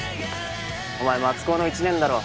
お前松高の１年だろ？